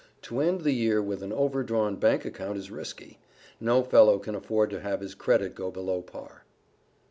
To end the year with an over drawn bank account is risky. No fellow can afford to have his credit go below par.